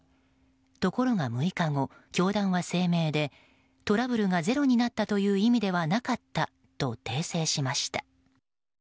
ところが６日後、教団は声明でトラブルがゼロになったという意味ではなかったと訂正しました。